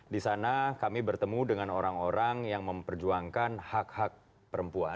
di sana kami bertemu dengan orang orang yang memperjuangkan hak hak perempuan